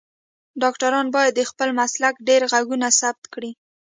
ډاکټران باید د خپل مسلک ډیر غږونه ثبت کړی